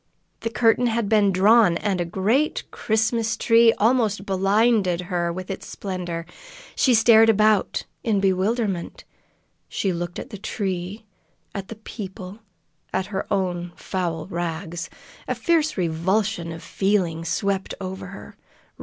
The curtain had been drawn, and a great Christmas tree almost blinded her with its splendor. She stared about in bewilderment. She looked at the tree, at the people, at her own foul rags. A fierce revulsion of feeling swept over her.